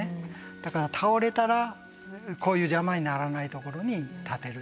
だから倒れたらこういう邪魔にならないところに立てると。